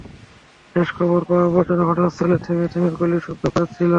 শেষ খবর পাওয়া পর্যন্ত ঘটনাস্থলে থেমে থেমে গুলির শব্দ পাওয়া যাচ্ছিল।